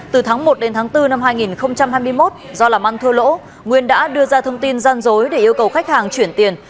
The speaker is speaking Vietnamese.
từ tháng một đến tháng bốn năm hai nghìn hai mươi một do làm ăn thua lỗ nguyên đã đưa ra thông tin gian dối để yêu cầu khách hàng chuyển tiền